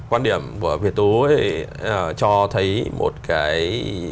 quan điểm của việt tú cho thấy một cái